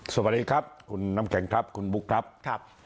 สวัสดีครับคุณน้ำแข็งครับคุณบุ๊คครับ